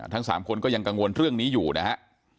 ทั้ง๓คนก็ยังกังวลเรื่องนี้อยู่นะฮะ